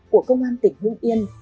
của công an tỉnh nguyễn yên